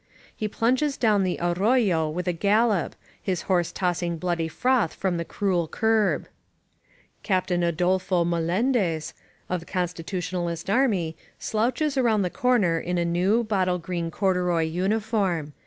He plunges down the arroyo at a gal lop, his horse tossing bloody froth from the cruel curb. Captain Adolfo Melendez, of the Constitutionalist army, slouches around the corner in a new, bottle green corduroy uniform.